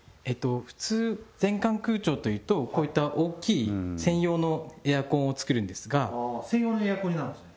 普通全館空調というとこういった大きい専用のエアコンを作るんですが専用のエアコンになるんですね